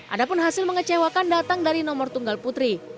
ada pun hasil mengecewakan datang dari nomor tunggal putri